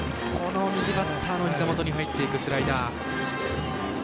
右バッターのひざ元に入っていくスライダー。